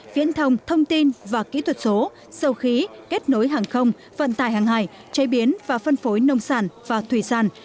viễn thông thông tin và kỹ thuật số dầu khí kết nối hàng không vận tải hàng hải chế biến và phân phối nông sản và thủy sản